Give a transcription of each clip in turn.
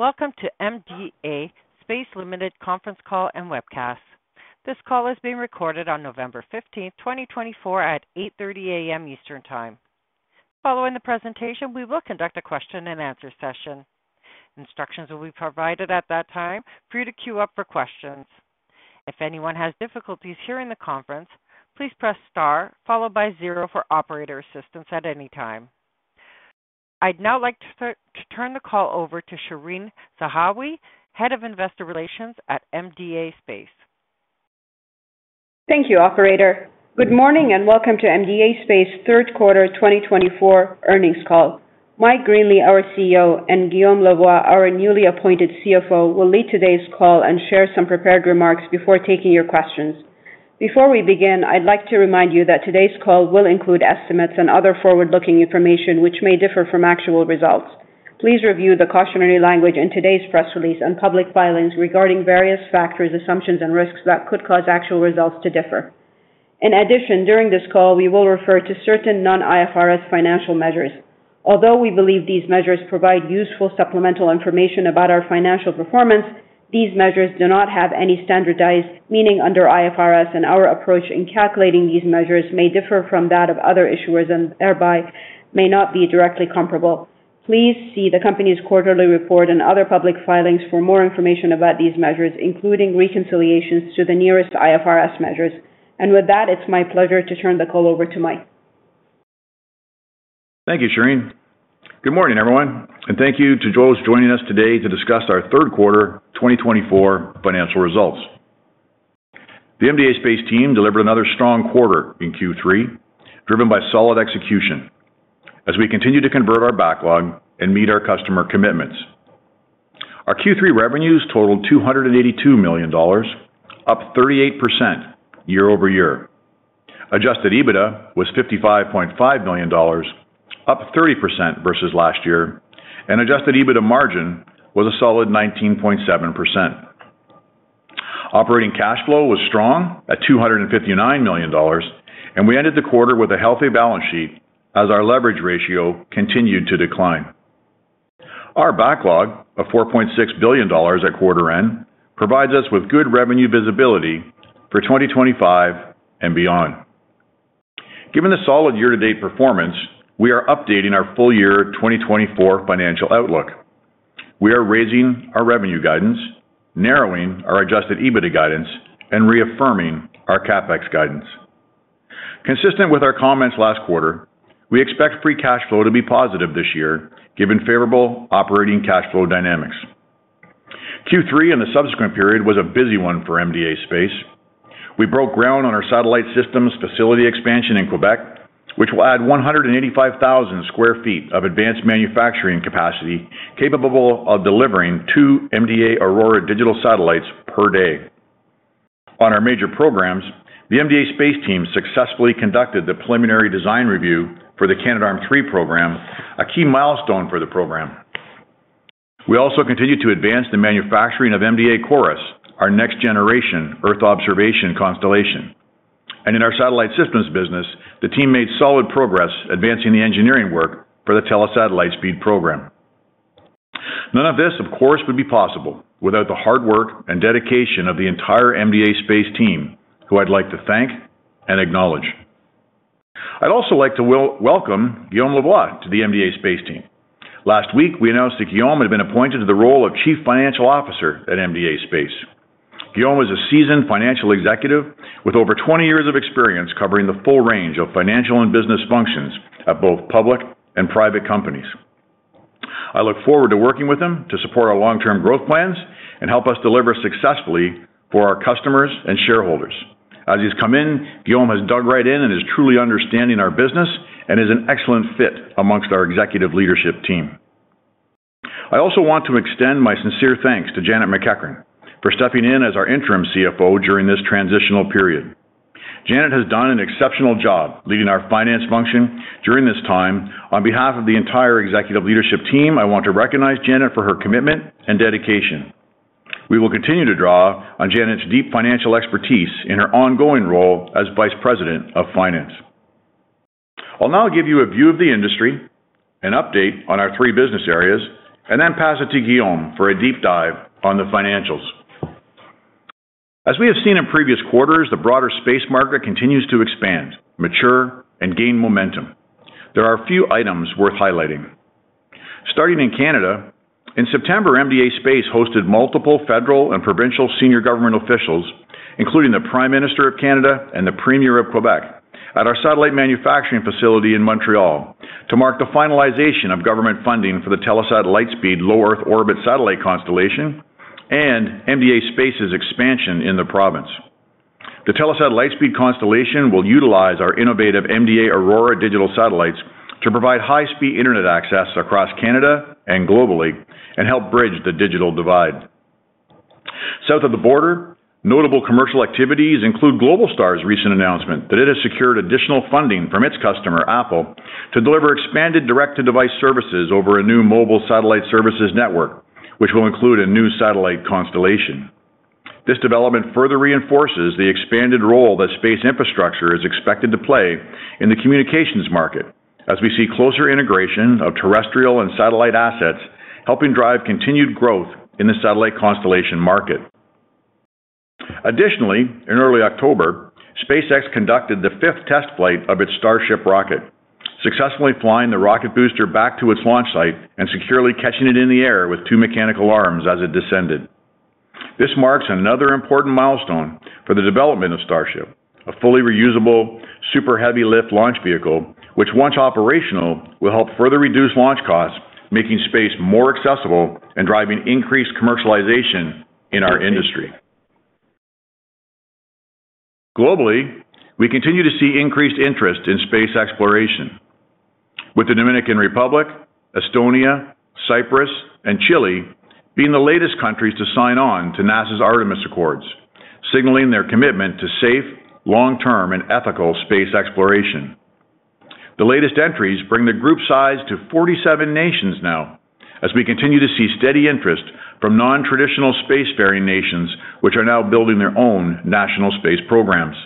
Welcome to MDA Space Limited conference call and webcast. This call is being recorded on November 15th, 2024, at 8:30 A.M. Eastern Time. Following the presentation, we will conduct a question-and-answer session. Instructions will be provided at that time for you to queue up for questions. If anyone has difficulties hearing the conference, please press star followed by zero for operator assistance at any time. I'd now like to turn the call over to Shereen Zahawi, Head of Investor Relations at MDA Space. Thank you, Operator. Good morning and welcome to MDA Space's third quarter 2024 earnings call. Mike Greenley, our CEO, and BMO Capital Mar Lavoie, our newly appointed CFO, will lead today's call and share some prepared remarks before taking your questions. Before we begin, I'd like to remind you that today's call will include estimates and other forward-looking information which may differ from actual results. Please review the cautionary language in today's press release and public filings regarding various factors, assumptions, and risks that could cause actual results to differ. In addition, during this call, we will refer to certain non-IFRS financial measures. Although we believe these measures provide useful supplemental information about our financial performance, these measures do not have any standardized meaning under IFRS, and our approach in calculating these measures may differ from that of other issuers and thereby may not be directly comparable. Please see the company's quarterly report and other public filings for more information about these measures, including reconciliations to the nearest IFRS measures. And with that, it's my pleasure to turn the call over to Mike. Thank you, Shereen. Good morning, everyone, and thank you to those joining us today to discuss our third quarter 2024 financial results. The MDA Space team delivered another strong quarter in Q3, driven by solid execution as we continue to convert our backlog and meet our customer commitments. Our Q3 revenues totaled 282 million dollars, up 38% year over year. Adjusted EBITDA was 55.5 million dollars, up 30% versus last year, and adjusted EBITDA margin was a solid 19.7%. Operating cash flow was strong at 259 million dollars, and we ended the quarter with a healthy balance sheet as our leverage ratio continued to decline. Our backlog of 4.6 billion dollars at quarter end provides us with good revenue visibility for 2025 and beyond. Given the solid year-to-date performance, we are updating our full year 2024 financial outlook. We are raising our revenue guidance, narrowing our adjusted EBITDA guidance, and reaffirming our CapEx guidance. Consistent with our comments last quarter, we expect free cash flow to be positive this year, given favorable operating cash flow dynamics. Q3 and the subsequent period was a busy one for MDA Space. We broke ground on our satellite systems facility expansion in Quebec, which will add 185,000 sq ft of advanced manufacturing capacity capable of delivering two MDA Aurora digital satellites per day. On our major programs, the MDA Space team successfully conducted the preliminary design review for the Canadarm3 program, a key milestone for the program. We also continue to advance the manufacturing of MDA CHORUS, our next-generation Earth observation constellation. And in our satellite systems business, the team made solid progress advancing the engineering work for the Telesat Lightspeed program. None of this, of course, would be possible without the hard work and dedication of the entire MDA Space team, who I'd like to thank and acknowledge. I'd also like to welcome BMO Capital Markets Lavoie to the MDA Space team. Last week, we announced that BMO Capital Markets had been appointed to the role of Chief Financial Officer at MDA Space. BMO Capital Markets is a seasoned financial executive with over 20 years of experience covering the full range of financial and business functions at both public and private companies. I look forward to working with him to support our long-term growth plans and help us deliver successfully for our customers and shareholders. As he's come in, BMO Capital Markets has dug right in and is truly understanding our business and is an excellent fit amongst our executive leadership team. I also want to extend my sincere thanks to Janet McEachern for stepping in as our interim CFO during this transitional period. Janet has done an exceptional job leading our finance function during this time. On behalf of the entire executive leadership team, I want to recognize Janet for her commitment and dedication. We will continue to draw on Janet's deep financial expertise in her ongoing role as Vice President of Finance. I'll now give you a view of the industry, an update on our three business areas, and then pass it to BMO Capital Markets for a deep dive on the financials. As we have seen in previous quarters, the broader space market continues to expand, mature, and gain momentum. There are a few items worth highlighting. Starting in Canada, in September, MDA Space hosted multiple federal and provincial senior government officials, including the Prime Minister of Canada and the Premier of Quebec, at our satellite manufacturing facility in Montreal to mark the finalization of government funding for the Telesat Lightspeed low Earth orbit satellite constellation and MDA Space's expansion in the province. The Telesat Lightspeed constellation will utilize our innovative MDA Aurora digital satellites to provide high-speed internet access across Canada and globally and help bridge the digital divide. South of the border, notable commercial activities include Globalstar's recent announcement that it has secured additional funding from its customer, Apple, to deliver expanded direct-to-device services over a new mobile satellite services network, which will include a new satellite constellation. This development further reinforces the expanded role that space infrastructure is expected to play in the communications market as we see closer integration of terrestrial and satellite assets, helping drive continued growth in the satellite constellation market. Additionally, in early October, SpaceX conducted the fifth test flight of its Starship rocket, successfully flying the rocket booster back to its launch site and securely catching it in the air with two mechanical arms as it descended. This marks another important milestone for the development of Starship, a fully reusable super heavy lift launch vehicle, which, once operational, will help further reduce launch costs, making space more accessible and driving increased commercialization in our industry. Globally, we continue to see increased interest in space exploration, with the Dominican Republic, Estonia, Cyprus, and Chile being the latest countries to sign on to NASA's Artemis Accords, signaling their commitment to safe, long-term, and ethical space exploration. The latest entries bring the group size to 47 nations now, as we continue to see steady interest from non-traditional spacefaring nations, which are now building their own national space programs,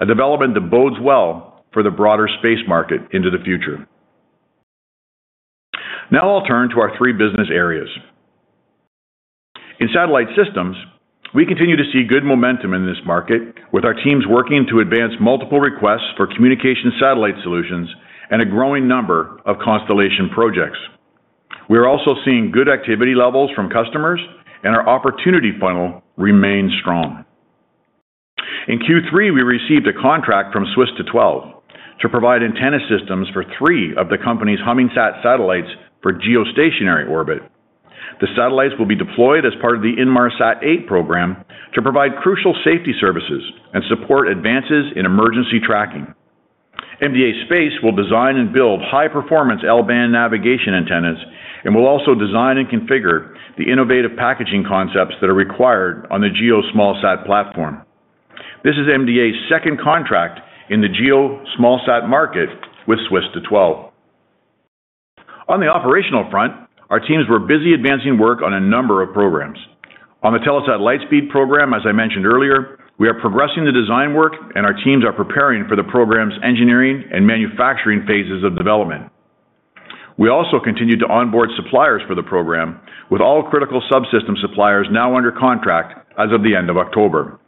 a development that bodes well for the broader space market into the future. Now I'll turn to our three business areas. In satellite systems, we continue to see good momentum in this market, with our teams working to advance multiple requests for communication satellite solutions and a growing number of constellation projects. We are also seeing good activity levels from customers, and our opportunity funnel remains strong. In Q3, we received a contract from SWISSto12 to provide antenna systems for three of the company's HummingSat satellites for geostationary orbit. The satellites will be deployed as part of the Inmarsat 8 program to provide crucial safety services and support advances in emergency tracking. MDA Space will design and build high-performance L-band navigation antennas and will also design and configure the innovative packaging concepts that are required on the GeoSmallSat platform. This is MDA's second contract in the GeoSmallSat market with SWISSto12. On the operational front, our teams were busy advancing work on a number of programs. On the Telesat Lightspeed program, as I mentioned earlier, we are progressing the design work, and our teams are preparing for the program's engineering and manufacturing phases of development. We also continue to onboard suppliers for the program, with all critical subsystem suppliers now under contract as of the end of October,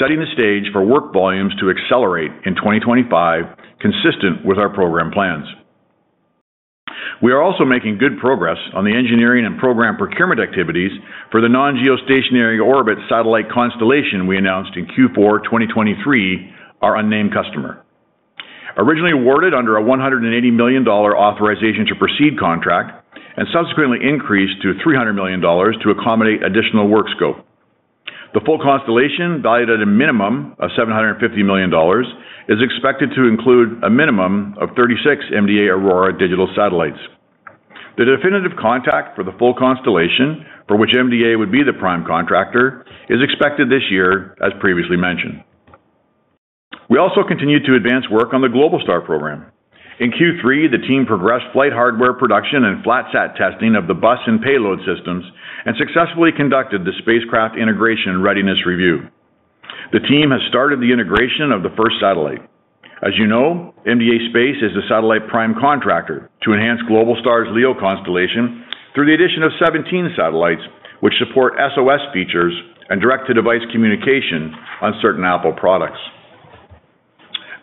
setting the stage for work volumes to accelerate in 2025, consistent with our program plans. We are also making good progress on the engineering and program procurement activities for the non-geostationary orbit satellite constellation we announced in Q4 2023, our unnamed customer. Originally awarded under a 180 million dollar authorization to proceed contract and subsequently increased to 300 million dollars to accommodate additional work scope. The full constellation, valued at a minimum of 750 million dollars, is expected to include a minimum of 36 MDA Aurora digital satellites. The definitive contract for the full constellation, for which MDA would be the prime contractor, is expected this year, as previously mentioned. We also continue to advance work on the Globalstar program. In Q3, the team progressed flight hardware production and flat-sat testing of the bus and payload systems and successfully conducted the spacecraft integration readiness review. The team has started the integration of the first satellite. As you know, MDA Space is the satellite prime contractor to enhance Globalstar's LEO constellation through the addition of 17 satellites, which support SOS features and direct-to-device communication on certain Apple products.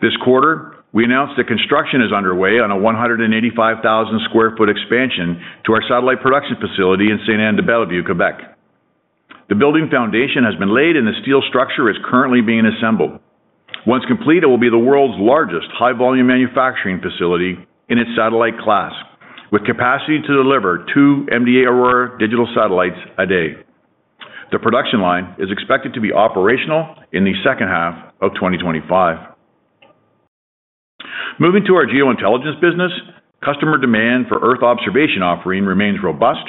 This quarter, we announced that construction is underway on a 185,000 sq ft expansion to our satellite production facility in Sainte-Anne-de-Bellevue, Quebec. The building foundation has been laid, and the steel structure is currently being assembled. Once complete, it will be the world's largest high-volume manufacturing facility in its satellite class, with capacity to deliver two MDA Aurora digital satellites a day. The production line is expected to be operational in the second half of 2025. Moving to our geointelligence business, customer demand for Earth observation offering remains robust,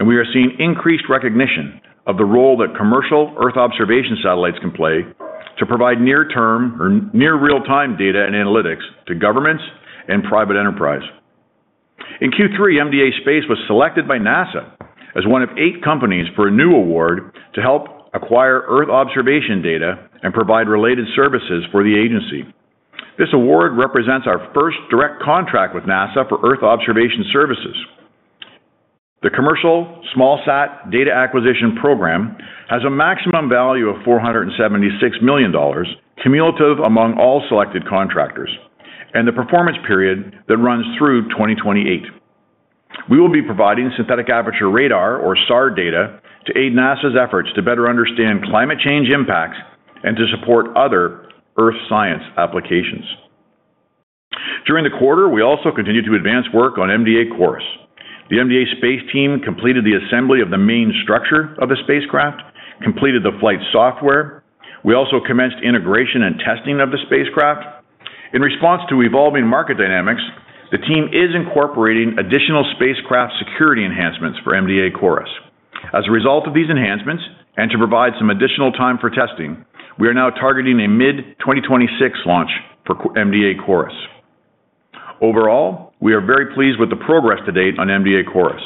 and we are seeing increased recognition of the role that commercial Earth observation satellites can play to provide near-term or near-real-time data and analytics to governments and private enterprise. In Q3, MDA Space was selected by NASA as one of eight companies for a new award to help acquire Earth observation data and provide related services for the agency. This award represents our first direct contract with NASA for Earth observation services. The commercial SmallSat data acquisition program has a maximum value of $476 million, cumulative among all selected contractors, and the performance period that runs through 2028. We will be providing synthetic aperture radar or SAR data to aid NASA's efforts to better understand climate change impacts and to support other Earth science applications. During the quarter, we also continue to advance work on MDA CHORUS. The MDA Space team completed the assembly of the main structure of the spacecraft, completed the flight software. We also commenced integration and testing of the spacecraft. In response to evolving market dynamics, the team is incorporating additional spacecraft security enhancements for MDA CHORUS. As a result of these enhancements and to provide some additional time for testing, we are now targeting a mid-2026 launch for MDA CHORUS. Overall, we are very pleased with the progress to date on MDA CHORUS.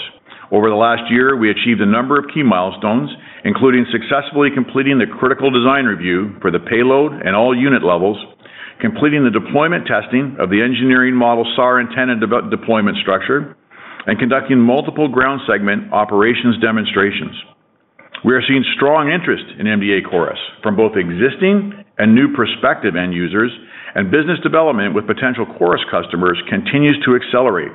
Over the last year, we achieved a number of key milestones, including successfully completing the Critical Design Review for the payload and all unit levels, completing the deployment testing of the engineering model SAR antenna deployment structure, and conducting multiple ground segment operations demonstrations. We are seeing strong interest in MDA CHORUS from both existing and new prospective end users, and business development with potential CHORUS customers continues to accelerate,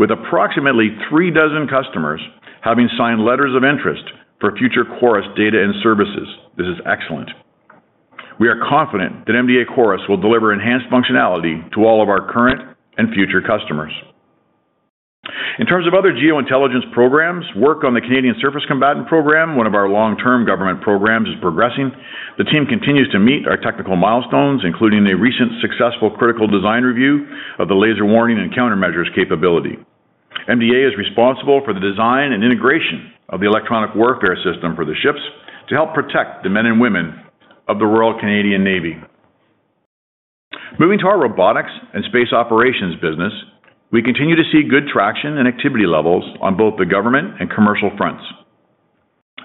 with approximately three dozen customers having signed letters of interest for future CHORUS data and services. This is excellent. We are confident that MDA CHORUS will deliver enhanced functionality to all of our current and future customers. In terms of other geointelligence programs, work on the Canadian Surface Combatant program, one of our long-term government programs, is progressing. The team continues to meet our technical milestones, including a recent successful critical design review of the laser warning and countermeasures capability. MDA is responsible for the design and integration of the electronic warfare system for the ships to help protect the men and women of the Royal Canadian Navy. Moving to our robotics and space operations business, we continue to see good traction and activity levels on both the government and commercial fronts.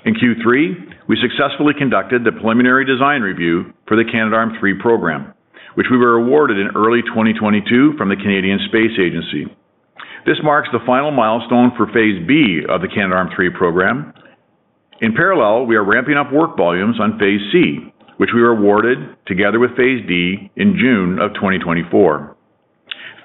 In Q3, we successfully conducted the preliminary design review for the Canadarm3 program, which we were awarded in early 2022 from the Canadian Space Agency. This marks the final milestone for Phase B of the Canadarm3 program. In parallel, we are ramping up work volumes on Phase C, which we were awarded together with Phase D in June of 2024.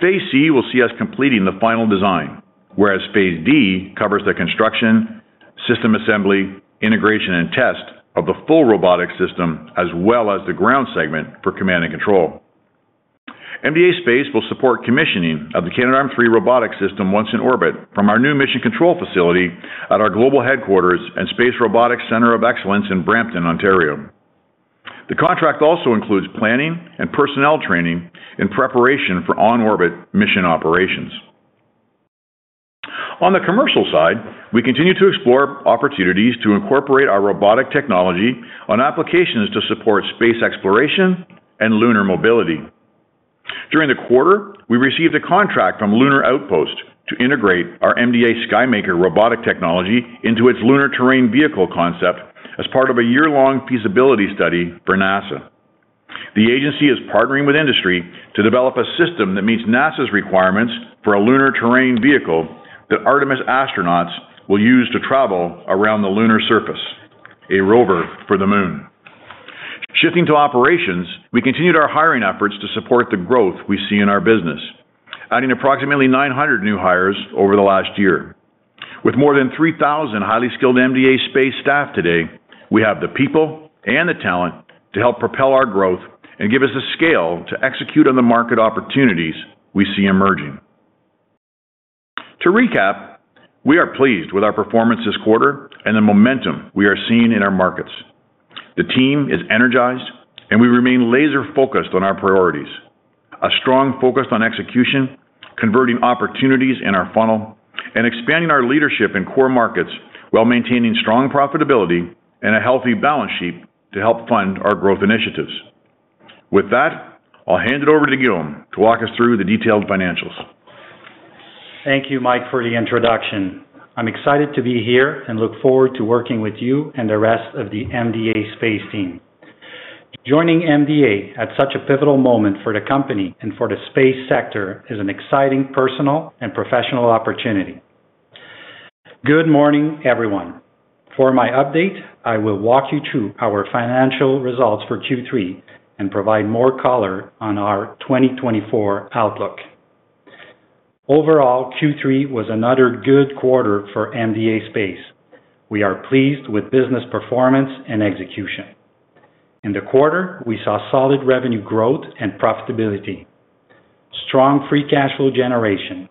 Phase C will see us completing the final design, whereas Phase D covers the construction, system assembly, integration, and test of the full robotic system, as well as the ground segment for command and control. MDA Space will support commissioning of the Canadarm3 robotic system once in orbit from our new mission control facility at our global headquarters and Space Robotics Center of Excellence in Brampton, Ontario. The contract also includes planning and personnel training in preparation for on-orbit mission operations. On the commercial side, we continue to explore opportunities to incorporate our robotic technology on applications to support space exploration and lunar mobility. During the quarter, we received a contract from Lunar Outpost to integrate our MDA SKYMAKER robotic technology into its lunar terrain vehicle concept as part of a year-long feasibility study for NASA. The agency is partnering with industry to develop a system that meets NASA's requirements for a lunar terrain vehicle that Artemis astronauts will use to travel around the lunar surface, a rover for the moon. Shifting to operations, we continued our hiring efforts to support the growth we see in our business, adding approximately 900 new hires over the last year. With more than 3,000 highly skilled MDA Space staff today, we have the people and the talent to help propel our growth and give us the scale to execute on the market opportunities we see emerging. To recap, we are pleased with our performance this quarter and the momentum we are seeing in our markets. The team is energized, and we remain laser-focused on our priorities: a strong focus on execution, converting opportunities in our funnel, and expanding our leadership in core markets while maintaining strong profitability and a healthy balance sheet to help fund our growth initiatives. With that, I'll hand it over to Guillaume to walk us through the detailed financials. Thank you, Mike, for the introduction. I'm excited to be here and look forward to working with you and the rest of the MDA Space team. Joining MDA at such a pivotal moment for the company and for the space sector is an exciting personal and professional opportunity. Good morning, everyone. For my update, I will walk you through our financial results for Q3 and provide more color on our 2024 outlook. Overall, Q3 was another good quarter for MDA Space. We are pleased with business performance and execution. In the quarter, we saw solid revenue growth and profitability, strong free cash flow generation,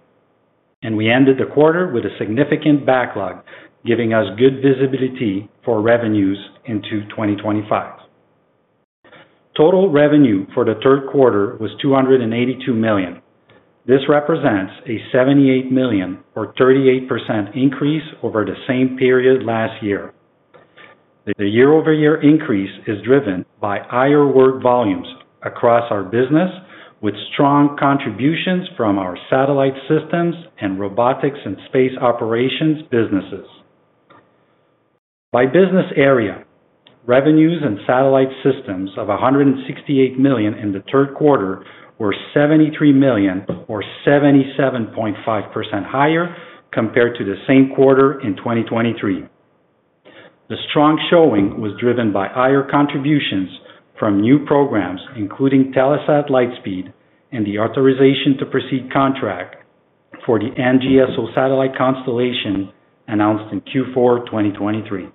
and we ended the quarter with a significant backlog, giving us good visibility for revenues into 2025. Total revenue for the third quarter was 282 million. This represents a 78 million, or 38% increase, over the same period last year. The year-over-year increase is driven by higher work volumes across our business, with strong contributions from our satellite systems and robotics and space operations businesses. By business area, revenues in satellite systems of 168 million in the third quarter were 73 million, or 77.5% higher compared to the same quarter in 2023. The strong showing was driven by higher contributions from new programs, including Telesat Lightspeed and the authorization to proceed contract for the NGSO satellite constellation announced in Q4 2023.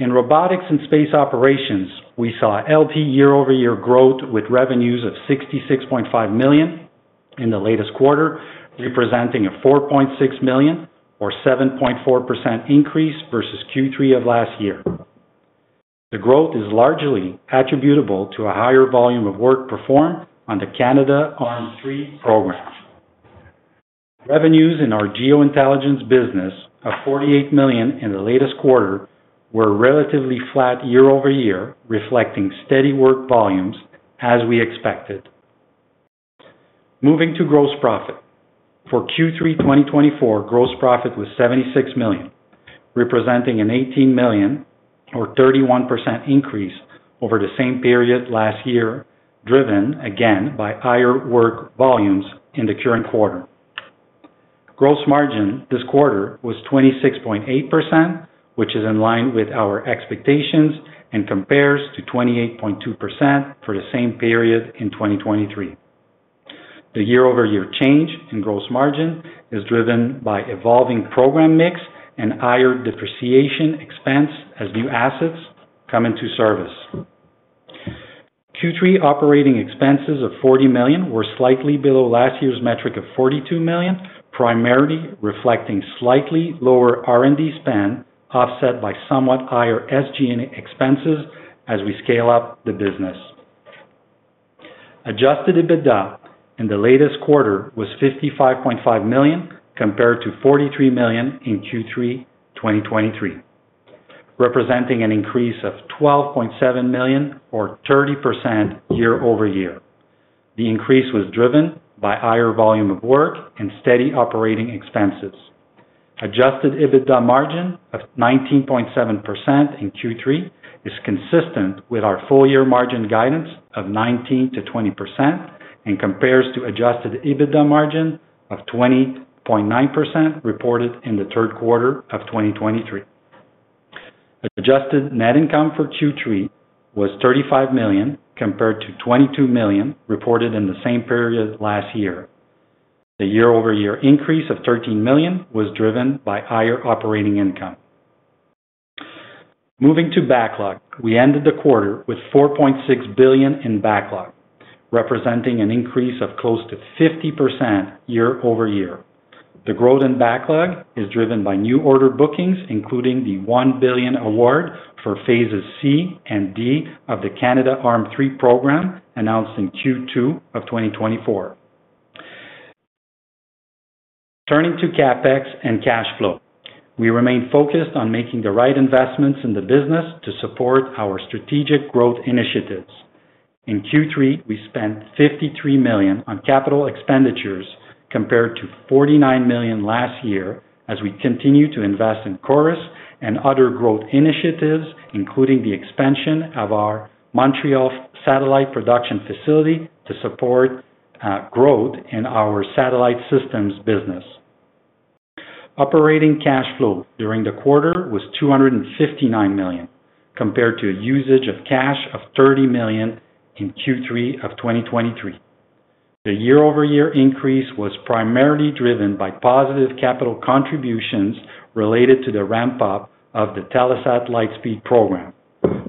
In robotics and space operations, we saw low year-over-year growth with revenues of 66.5 million in the latest quarter, representing a 4.6 million, or 7.4% increase versus Q3 of last year. The growth is largely attributable to a higher volume of work performed on the Canadarm3 program. Revenues in our geointelligence business of 48 million in the latest quarter were relatively flat year-over-year, reflecting steady work volumes, as we expected. Moving to gross profit. For Q3 2024, gross profit was 76 million, representing a 18 million, or 31% increase over the same period last year, driven again by higher work volumes in the current quarter. Gross margin this quarter was 26.8%, which is in line with our expectations and compares to 28.2% for the same period in 2023. The year-over-year change in gross margin is driven by evolving program mix and higher depreciation expense as new assets come into service. Q3 operating expenses of CAD 40 million were slightly below last year's metric of CAD 42 million, primarily reflecting slightly lower R&D spend offset by somewhat higher SG&A expenses as we scale up the business. Adjusted EBITDA in the latest quarter was 55.5 million compared to 43 million in Q3 2023, representing an increase of 12.7 million, or 30% year-over-year. The increase was driven by higher volume of work and steady operating expenses. Adjusted EBITDA margin of 19.7% in Q3 is consistent with our full-year margin guidance of 19%-20% and compares to adjusted EBITDA margin of 20.9% reported in the third quarter of 2023. Adjusted net income for Q3 was 35 million compared to 22 million reported in the same period last year. The year-over-year increase of 13 million was driven by higher operating income. Moving to backlog, we ended the quarter with 4.6 billion in backlog, representing an increase of close to 50% year-over-year. The growth in backlog is driven by new order bookings, including the 1 billion award for Phases C and D of the Canadarm3 program announced in Q2 of 2024. Turning to CapEx and cash flow, we remain focused on making the right investments in the business to support our strategic growth initiatives. In Q3, we spent 53 million on capital expenditures compared to 49 million last year, as we continue to invest in CHORUS and other growth initiatives, including the expansion of our Montreal satellite production facility to support growth in our satellite systems business. Operating cash flow during the quarter was CAD 259 million compared to a usage of cash of CAD 30 million in Q3 of 2023. The year-over-year increase was primarily driven by positive capital contributions related to the ramp-up of the Telesat Lightspeed program.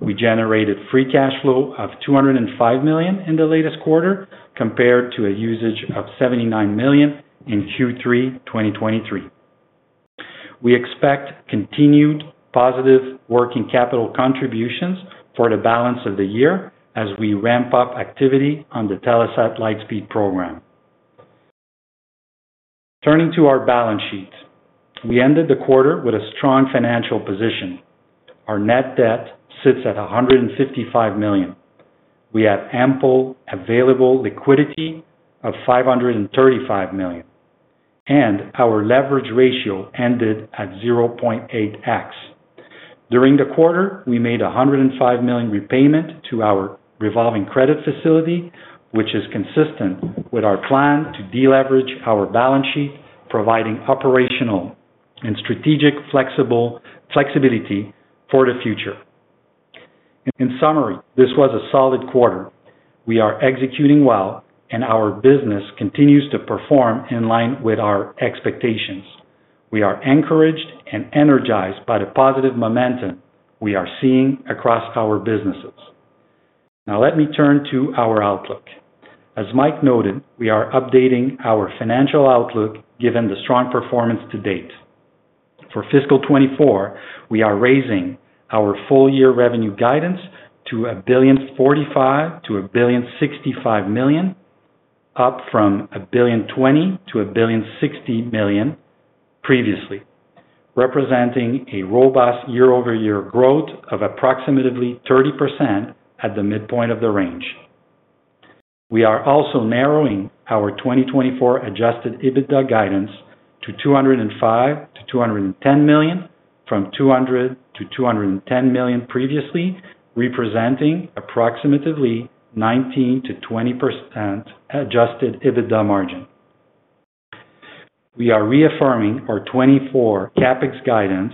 We generated free cash flow of 205 million in the latest quarter compared to a usage of 79 million in Q3 2023. We expect continued positive working capital contributions for the balance of the year as we ramp up activity on the Telesat Lightspeed program. Turning to our balance sheet, we ended the quarter with a strong financial position. Our net debt sits at 155 million. We have ample available liquidity of 535 million, and our leverage ratio ended at 0.8x. During the quarter, we made a 105 million repayment to our revolving credit facility, which is consistent with our plan to deleverage our balance sheet, providing operational and strategic flexibility for the future. In summary, this was a solid quarter. We are executing well, and our business continues to perform in line with our expectations. We are encouraged and energized by the positive momentum we are seeing across our businesses. Now, let me turn to our outlook. As Mike noted, we are updating our financial outlook given the strong performance to date. For fiscal 2024, we are raising our full-year revenue guidance to 1.45 billion-1.65 billion, up from 1.2 billion-1.60 billion previously, representing a robust year-over-year growth of approximately 30% at the midpoint of the range. We are also narrowing our 2024 adjusted EBITDA guidance to 205 million-210 million, from 200 million-210 million previously, representing approximately 19%-20% adjusted EBITDA margin. We are reaffirming our 2024 CapEx guidance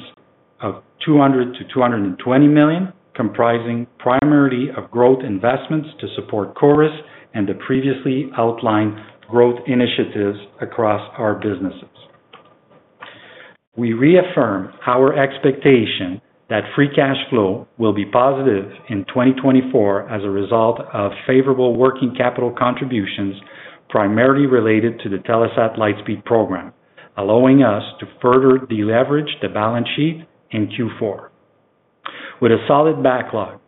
of 200 million-220 million, comprising primarily of growth investments to support CHORUS and the previously outlined growth initiatives across our businesses. We reaffirm our expectation that free cash flow will be positive in 2024 as a result of favorable working capital contributions primarily related to the Telesat Lightspeed program, allowing us to further deleverage the balance sheet in Q4. With a solid backlog,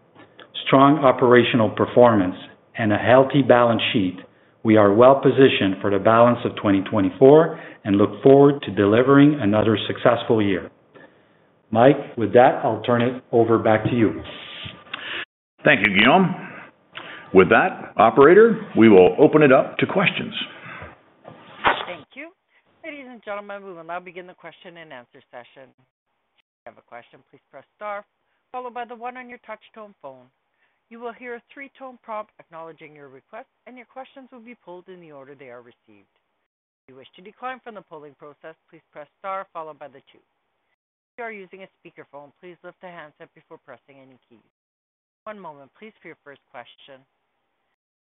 strong operational performance, and a healthy balance sheet, we are well-positioned for the balance of 2024 and look forward to delivering another successful year. Mike, with that, I'll turn it over back to you. Thank you, Guillaume. With that, operator, we will open it up to questions. Thank you. Ladies and gentlemen, we will now begin the question and answer session. If you have a question, please press Star, followed by the one on your touch-tone phone. You will hear a three-tone prompt acknowledging your request, and your questions will be pulled in the order they are received. If you wish to decline from the polling process, please press Star, followed by the 2. If you are using a speakerphone, please lift the handset before pressing any keys. One moment, please, for your first question.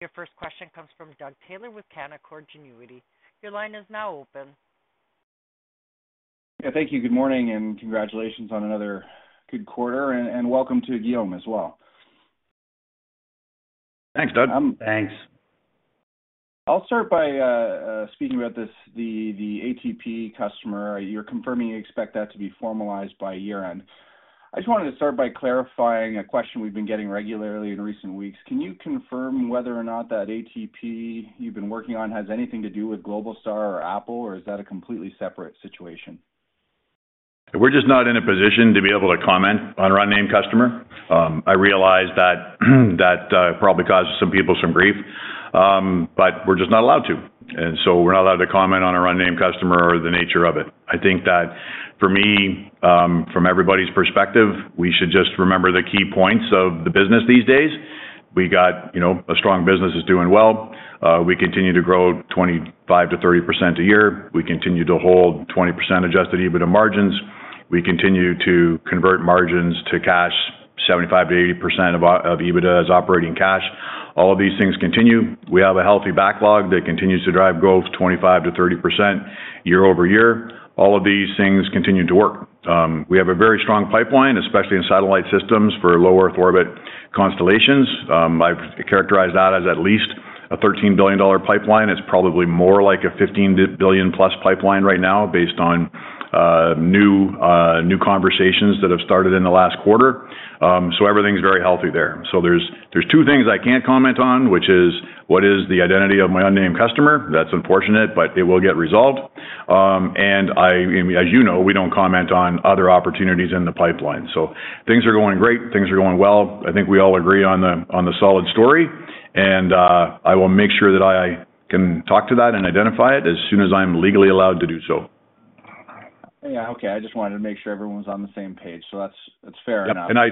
Your first question comes from Doug Taylor with Canaccord Genuity. Your line is now open. Yeah, thank you. Good morning and congratulations on another good quarter, and welcome to Guillaume as well. Thanks, Doug. Thanks. I'll start by speaking about the ATP customer. You're confirming you expect that to be formalized by year-end. I just wanted to start by clarifying a question we've been getting regularly in recent weeks. Can you confirm whether or not that ATP you've been working on has anything to do with Globalstar or Apple, or is that a completely separate situation? We're just not in a position to be able to comment on an unnamed customer. I realize that probably causes some people some grief, but we're just not allowed to, and so we're not allowed to comment on an unnamed customer or the nature of it. I think that for me, from everybody's perspective, we should just remember the key points of the business these days. We got a strong business that's doing well. We continue to grow 25%-30% a year. We continue to hold 20% adjusted EBITDA margins. We continue to convert margins to cash, 75%-80% of EBITDA as operating cash. All of these things continue. We have a healthy backlog that continues to drive growth 25%-30% year-over-year. All of these things continue to work. We have a very strong pipeline, especially in satellite systems for low Earth orbit constellations. I've characterized that as at least a $13 billion pipeline. It's probably more like a 15 billion plus pipeline right now, based on new conversations that have started in the last quarter. So everything's very healthy there. So there's two things I can't comment on, which is what is the identity of my unnamed customer. That's unfortunate, but it will get resolved. And as you know, we don't comment on other opportunities in the pipeline. So things are going great. Things are going well. I think we all agree on the solid story. And I will make sure that I can talk to that and identify it as soon as I'm legally allowed to do so. Yeah, okay. I just wanted to make sure everyone was on the same page. So that's fair enough. And I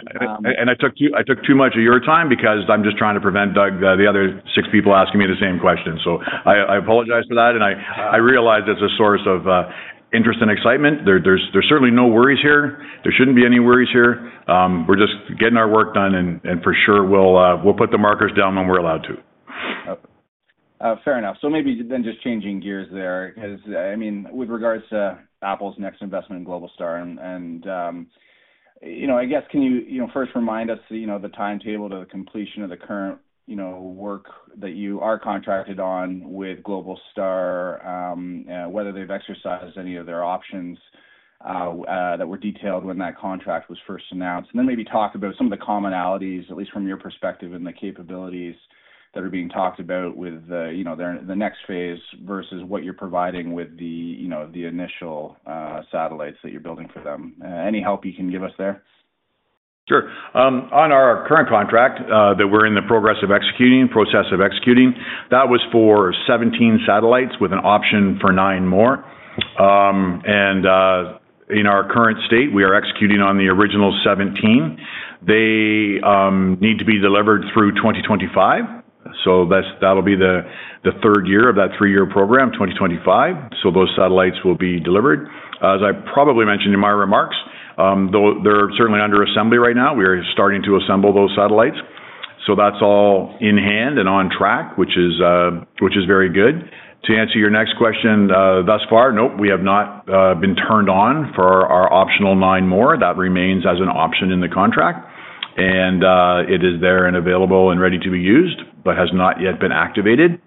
took too much of your time because I'm just trying to prevent Doug, the other six people, asking me the same question. So I apologize for that. And I realize it's a source of interest and excitement. There's certainly no worries here. There shouldn't be any worries here. We're just getting our work done, and for sure, we'll put the markers down when we're allowed to. Fair enough. So maybe then just changing gears there, because I mean, with regards to Apple's next investment in Globalstar, and I guess, can you first remind us the timetable to the completion of the current work that you are contracted on with Globalstar, whether they've exercised any of their options that were detailed when that contract was first announced? And then maybe talk about some of the commonalities, at least from your perspective, and the capabilities that are being talked about with the next phase versus what you're providing with the initial satellites that you're building for them. Any help you can give us there? Sure. On our current contract that we're in the process of executing, that was for 17 satellites with an option for nine more. In our current state, we are executing on the original 17. They need to be delivered through 2025. So that'll be the third year of that three-year program, 2025. So those satellites will be delivered. As I probably mentioned in my remarks, they're certainly under assembly right now. We are starting to assemble those satellites. So that's all in hand and on track, which is very good. To answer your next question, thus far, nope, we have not been turned on for our optional nine more. That remains as an option in the contract. It is there and available and ready to be used, but has not yet been activated.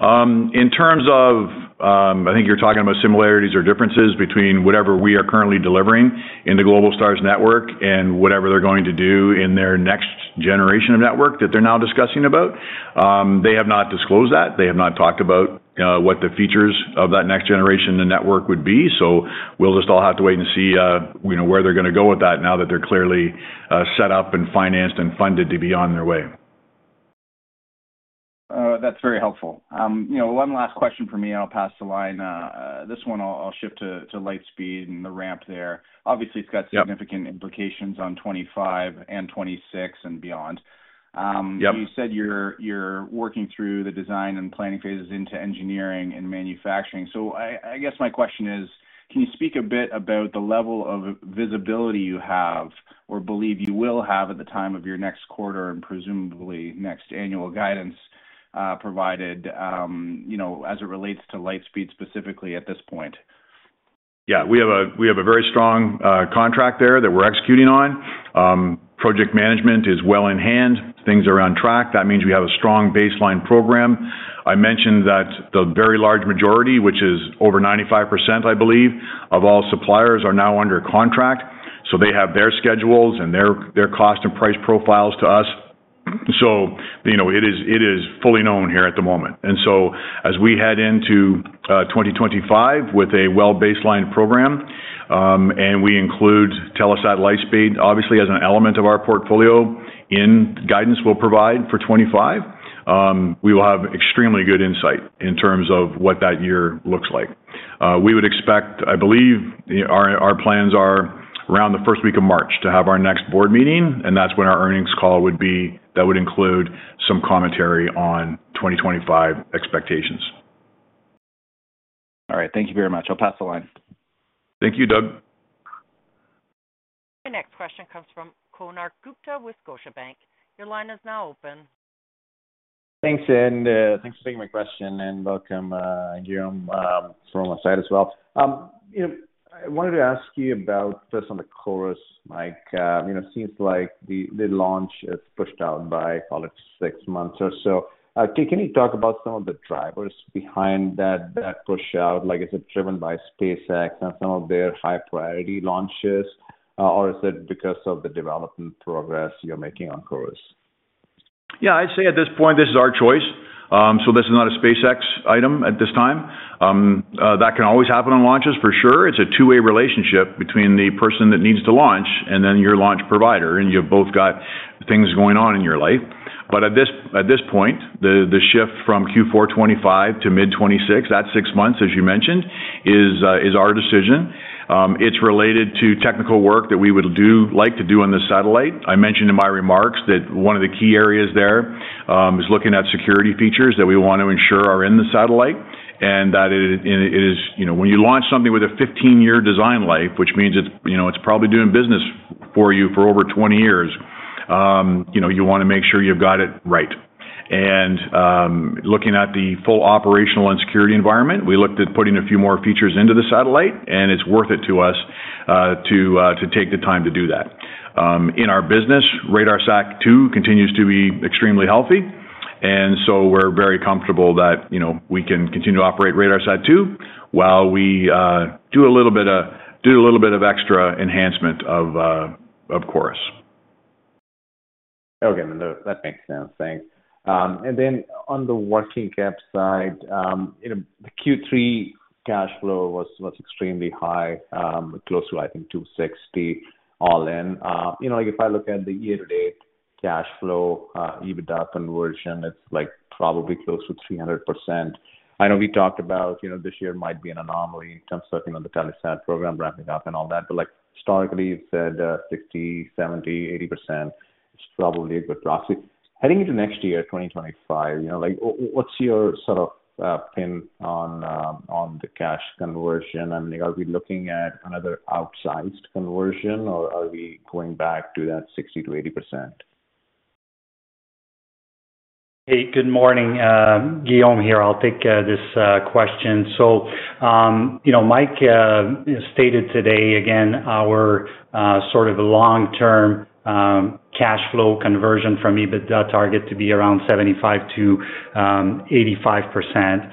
In terms of, I think you're talking about similarities or differences between whatever we are currently delivering in the Globalstar's network and whatever they're going to do in their next generation of network that they're now discussing about, they have not disclosed that. They have not talked about what the features of that next generation of network would be. So we'll just all have to wait and see where they're going to go with that now that they're clearly set up and financed and funded to be on their way. That's very helpful. One last question for me, and I'll pass the line. This one, I'll shift to Lightspeed and the ramp there. Obviously, it's got significant implications on 2025 and 2026 and beyond. You said you're working through the design and planning phases into engineering and manufacturing. So I guess my question is, can you speak a bit about the level of visibility you have or believe you will have at the time of your next quarter and presumably next annual guidance provided as it relates to Lightspeed specifically at this point? Yeah, we have a very strong contract there that we're executing on. Project management is well in hand. Things are on track. That means we have a strong baseline program. I mentioned that the very large majority, which is over 95%, I believe, of all suppliers are now under contract. So they have their schedules and their cost and price profiles to us. So it is fully known here at the moment. And so as we head into 2025 with a well-baselined program, and we include Telesat Lightspeed, obviously, as an element of our portfolio in guidance we'll provide for 25, we will have extremely good insight in terms of what that year looks like. We would expect, I believe, our plans are around the first week of March to have our next board meeting, and that's when our earnings call would be that would include some commentary on 2025 expectations. All right. Thank you very much. I'll pass the line. Thank you, Doug. The next question comes from Konark Gupta with Scotiabank. Your line is now open. Thanks. And thanks for taking my question. And welcome, Guillaume, from my side as well. I wanted to ask you about this on the CHORUS. It seems like the launch is pushed out by, call it, six months or so. Can you talk about some of the drivers behind that push out? Is it driven by SpaceX and some of their high-priority launches, or is it because of the development progress you're making on CHORUS? Yeah, I'd say at this point, this is our choice. So this is not a SpaceX item at this time. That can always happen on launches, for sure. It's a two-way relationship between the person that needs to launch and then your launch provider. And you've both got things going on in your life. But at this point, the shift from Q4 2025 to mid-2026, that's six months, as you mentioned, is our decision. It's related to technical work that we would like to do on the satellite. I mentioned in my remarks that one of the key areas there is looking at security features that we want to ensure are in the satellite and that it is when you launch something with a 15-year design life, which means it's probably doing business for you for over 20 years, you want to make sure you've got it right, and looking at the full operational and security environment, we looked at putting a few more features into the satellite, and it's worth it to us to take the time to do that. In our business, RadarSat-2 continues to be extremely healthy, and so we're very comfortable that we can continue to operate RadarSat-2 while we do a little bit of extra enhancement of CHORUS. Okay. That makes sense. Thanks. Then on the working cap side, the Q3 cash flow was extremely high, close to, I think, 260 all in. If I look at the year-to-date cash flow, EBITDA conversion, it's probably close to 300%. I know we talked about this year might be an anomaly in terms of the Telesat program ramping up and all that. Historically, you said 60%, 70%, 80%. It's probably a good proxy. Heading into next year, 2025, what's your sort of pin on the cash conversion? I mean, are we looking at another outsized conversion, or are we going back to that 60%-80%? Hey, good morning. Guillaume here. I'll take this question. Mike stated today, again, our sort of long-term cash flow conversion from EBITDA target to be around 75%-85%.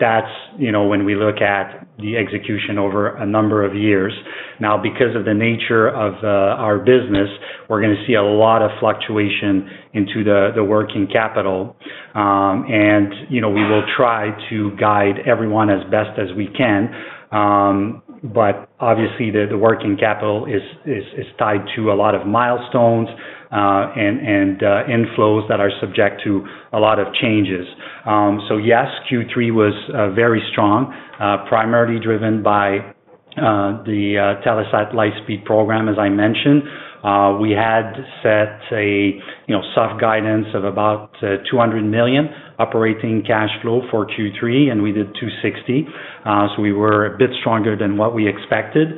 That's when we look at the execution over a number of years. Now, because of the nature of our business, we're going to see a lot of fluctuation into the working capital, and we will try to guide everyone as best as we can. But obviously, the working capital is tied to a lot of milestones and inflows that are subject to a lot of changes, so yes, Q3 was very strong, primarily driven by the Telesat Lightspeed program, as I mentioned. We had set a soft guidance of about 200 million operating cash flow for Q3, and we did 260. So we were a bit stronger than what we expected.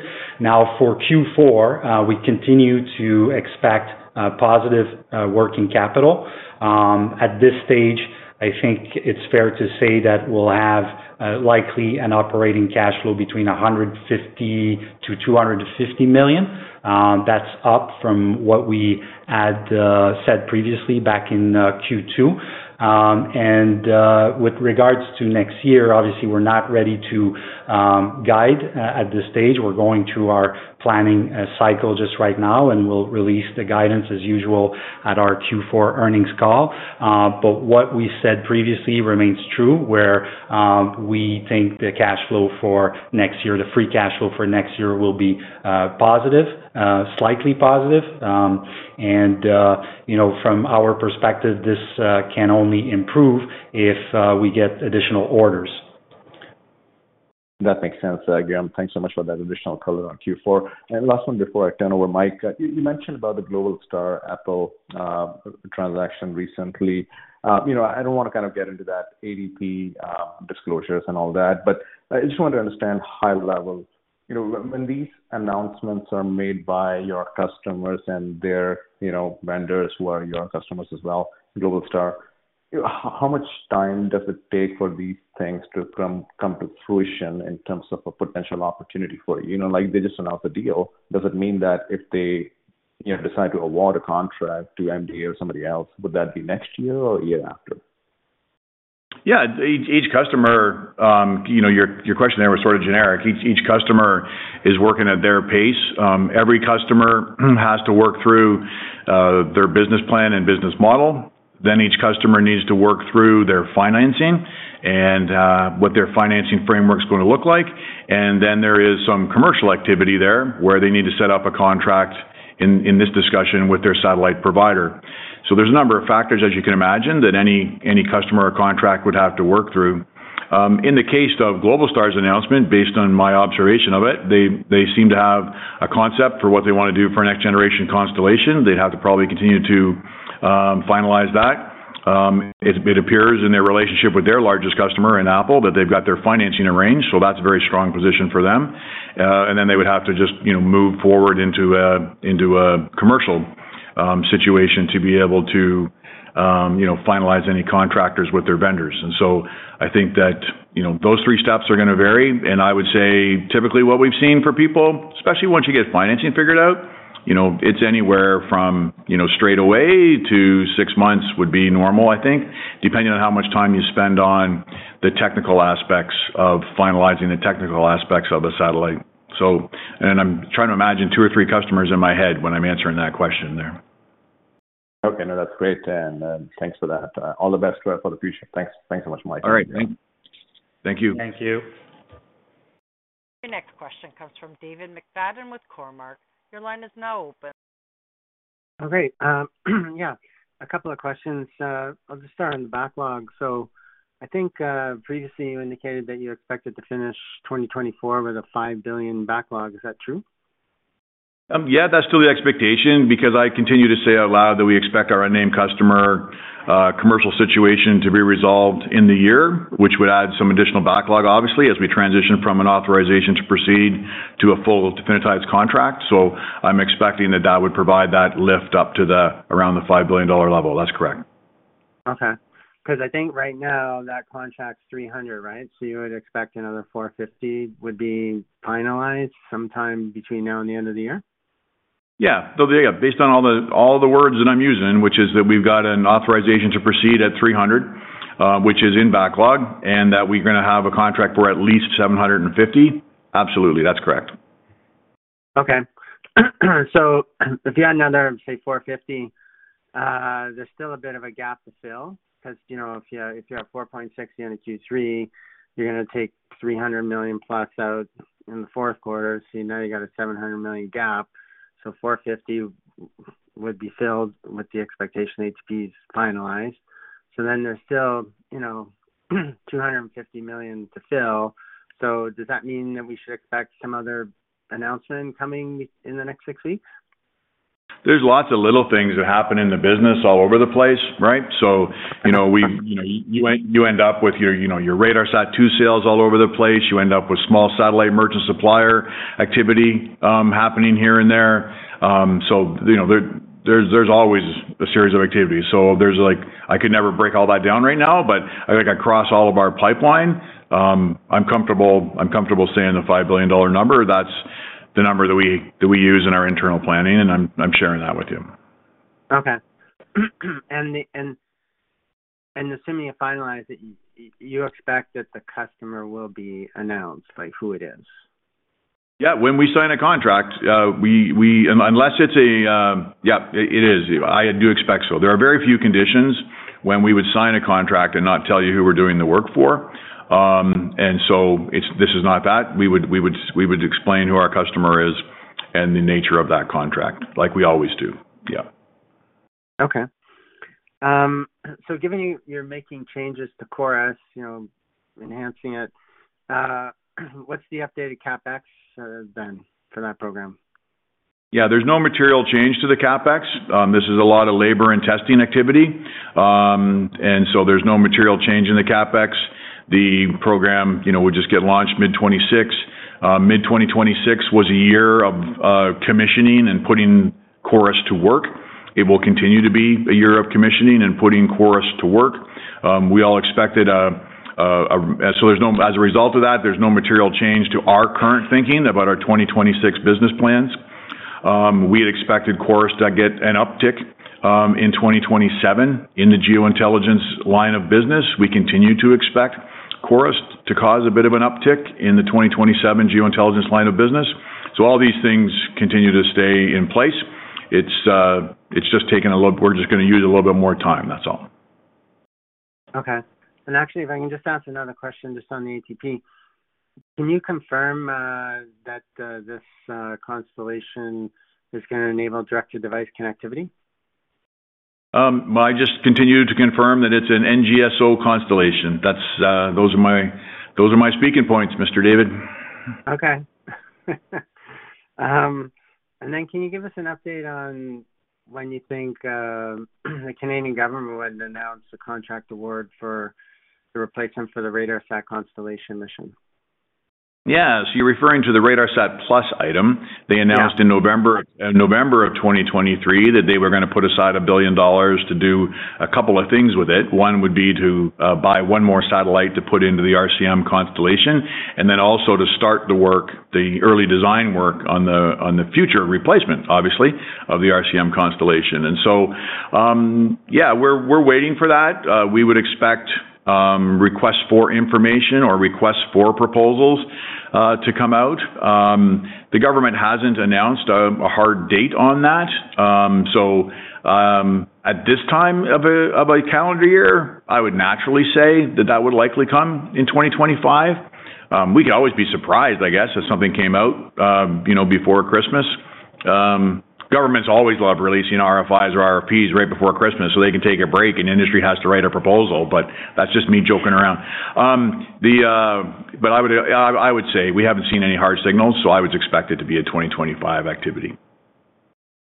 Now, for Q4, we continue to expect positive working capital. At this stage, I think it's fair to say that we'll have likely an operating cash flow between 150 million to 250 million. That's up from what we had said previously back in Q2. With regards to next year, obviously, we're not ready to guide at this stage. We're going through our planning cycle just right now, and we'll release the guidance as usual at our Q4 earnings call. What we said previously remains true, where we think the cash flow for next year, the free cash flow for next year, will be positive, slightly positive. From our perspective, this can only improve if we get additional orders. That makes sense. Guillaume, thanks so much for that additional color on Q4. Last one, before I turn over, Mike, you mentioned about the Globalstar-Apple transaction recently. I don't want to kind of get into that NDA disclosures and all that, but I just want to understand high-level. When these announcements are made by your customers and their vendors who are your customers as well, Globalstar, how much time does it take for these things to come to fruition in terms of a potential opportunity for you? They just announced a deal. Does it mean that if they decide to award a contract to MDA or somebody else, would that be next year or a year after? Yeah. Each customer, your question there was sort of generic. Each customer is working at their pace. Every customer has to work through their business plan and business model. Then each customer needs to work through their financing and what their financing framework is going to look like. And then there is some commercial activity there where they need to set up a contract in this discussion with their satellite provider. There's a number of factors, as you can imagine, that any customer or contract would have to work through. In the case of Globalstar's announcement, based on my observation of it, they seem to have a concept for what they want to do for next generation constellation. They'd have to probably continue to finalize that. It appears in their relationship with their largest customer, and Apple, that they've got their financing arranged. So that's a very strong position for them. And then they would have to just move forward into a commercial situation to be able to finalize any contracts with their vendors. And so I think that those three steps are going to vary. I would say, typically, what we've seen for people, especially once you get financing figured out, it's anywhere from straight away to six months would be normal, I think, depending on how much time you spend on the technical aspects of finalizing the technical aspects of the satellite. And I'm trying to imagine two or three customers in my head when I'm answering that question there. Okay. No, that's great. And thanks for that. All the best for the future. Thanks so much, Mike. All right. Thank you. Thank you. Your next question comes from David McFadden with Cormark. Your line is now open. All right. Yeah. A couple of questions. I'll just start on the backlog. So I think previously you indicated that you expected to finish 2024 with a 5 billion backlog. Is that true? Yeah, that's still the expectation because I continue to say out loud that we expect our unnamed customer commercial situation to be resolved in the year, which would add some additional backlog, obviously, as we transition from an authorization to proceed to a full definitized contract. So I'm expecting that that would provide that lift up to around the $5 billion level. That's correct. Okay. Because I think right now that contract's 300, right? So you would expect another 450 would be finalized sometime between now and the end of the year? Yeah. Based on all the words that I'm using, which is that we've got an authorization to proceed at 300, which is in backlog, and that we're going to have a contract for at least 750, absolutely. That's correct. Okay. So if you had another, say, $450 million, there's still a bit of a gap to fill because if you have $460 million in Q3, you're going to take $300 million plus out in the fourth quarter. So now you got a $700 million gap. So $450 million would be filled with the expectation ATP is finalized. So then there's still $250 million to fill. So does that mean that we should expect some other announcement coming in the next six weeks? There's lots of little things that happen in the business all over the place, right? So you end up with your RadarSat-2 sales all over the place. You end up with small satellite merchant supplier activity happening here and there. So there's always a series of activities. So I could never break all that down right now, but I cross all of our pipeline. I'm comfortable saying the $5 billion number. That's the number that we use in our internal planning, and I'm sharing that with you. Okay. And assuming you finalize it, you expect that the customer will be announced, like who it is? Yeah. When we sign a contract, unless it's a yeah, it is. I do expect so. There are very few conditions when we would sign a contract and not tell you who we're doing the work for. And so this is not that. We would explain who our customer is and the nature of that contract, like we always do. Yeah. Okay. So given you're making changes to CHORUS, enhancing it, what's the updated CapEx then for that program? Yeah. There's no material change to the CapEx. This is a lot of labor and testing activity. And so there's no material change in the CapEx. The program would just get launched mid-2026. Mid 2026 was a year of commissioning and putting CHORUS to work. It will continue to be a year of commissioning and putting CHORUS to work. We all expected. So as a result of that, there's no material change to our current thinking about our 2026 business plans. We had expected CHORUS to get an uptick in 2027 in the geointelligence line of business. We continue to expect CHORUS to cause a bit of an uptick in the 2027 geointelligence line of business. So all these things continue to stay in place. It's just taken a little. We're just going to use a little bit more time. That's all. Okay. And actually, if I can just ask another question just on the ATP, can you confirm that this constellation is going to enable direct-to-device connectivity? I just continue to confirm that it's an NGSO constellation. Those are my speaking points, Mr. David. Okay. And then can you give us an update on when you think the Canadian government would announce the contract award for the replacement for the RADARSAT Constellation Mission? Yeah. So you're referring to the RADARSAT-Plus item. They announced in November of 2023 that they were going to put aside 1 billion dollars to do a couple of things with it. One would be to buy one more satellite to put into the RCM constellation and then also to start the work, the early design work on the future replacement, obviously, of the RCM constellation. And so, yeah, we're waiting for that. We would expect requests for information or requests for proposals to come out. The government hasn't announced a hard date on that. At this time of a calendar year, I would naturally say that that would likely come in 2025. We could always be surprised, I guess, if something came out before Christmas. Governments always love releasing RFIs or RFPs right before Christmas so they can take a break and industry has to write a proposal. But that's just me joking around. But I would say we haven't seen any hard signals, so I would expect it to be a 2025 activity.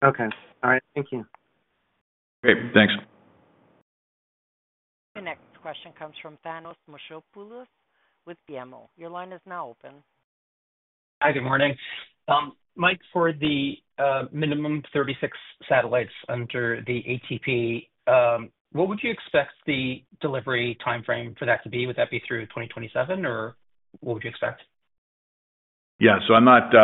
Okay. All right. Thank you. Great. Thanks. Your next question comes from Thanos Moschopoulos with Guillaume. Your line is now open. Hi, good morning. Mike, for the minimum 36 satellites under the ATP, what would you expect the delivery timeframe for that to be? Would that be through 2027, or what would you expect? Yeah. So I'm not